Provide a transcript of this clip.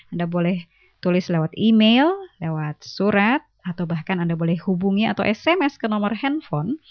anda boleh tulis lewat email lewat surat atau bahkan anda boleh hubungi atau sms ke nomor handphone